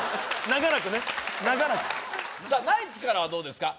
長らくさっナイツからはどうですか？